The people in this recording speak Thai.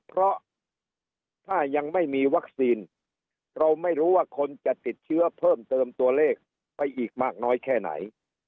เพราะถ้ายังไม่มีวัคซีนเราไม่รู้ว่าคนจะติดเชื้อเพิ่มเติมตัวเลขไปอีกมากน้อยแค่ไหน